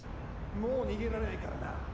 もう逃げられないからな